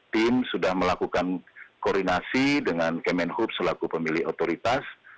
tim sudah melakukan koordinasi dengan kemenhub selaku pemilih otoritas